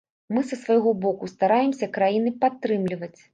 Мы са свайго боку стараемся краіны падтрымліваць.